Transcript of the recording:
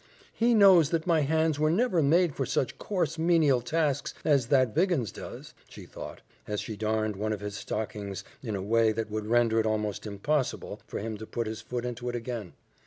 "He knows that my hands were never made for such coarse, menial tasks as that Viggins does," she thought, as she darned one of his stockings in a way that would render it almost impossible for him to put his foot into it again.